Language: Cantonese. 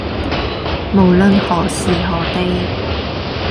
無論何時何地